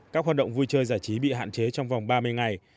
các hoạt động vui chơi giải trí bị hạn chế trong vòng ba mươi ngày